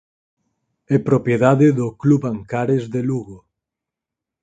É propiedade do Club Ancares de Lugo.